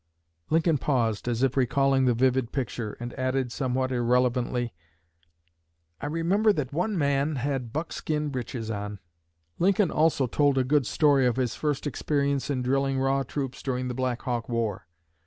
Lincoln paused as if recalling the vivid picture, and added, somewhat irrelevantly, "I remember that one man had buckskin breeches on." Lincoln also told a good story of his first experience in drilling raw troops during the Black Hawk War.